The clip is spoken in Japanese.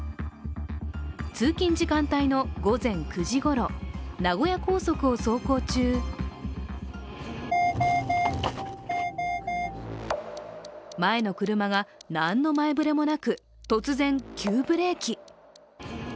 通勤時間帯の午前９時ごろ名古屋高速を走行中前の車が何の前触れもなく突然、急ブレーキ。